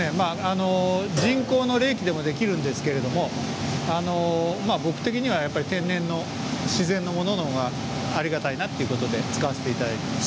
人工の冷気でもできるんですけれども僕的にはやっぱり天然の自然のものの方がありがたいなということで使わせていただいてます。